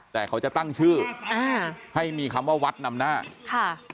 แต่เขาจะตั้งชื่ออ่าให้มีคำว่าวัดนำหน้าค่ะ